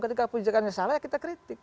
ketika kebijakannya salah ya kita kritik